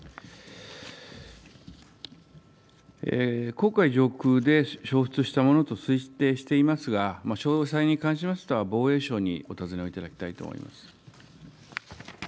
黄海上空で消失したものと推定していますが、詳細に関しましては、防衛省にお尋ねをいただきたいと思います。